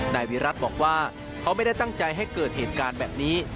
นายวิรัติบอกว่าเขาไม่ได้ตั้งใจให้เกิดเหตุการณ์แบบนี้